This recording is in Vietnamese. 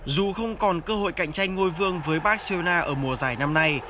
dù không còn cơ hội cạnh tranh ngôi vương với barceuna ở mùa giải năm nay